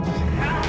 kamu juga gak tahu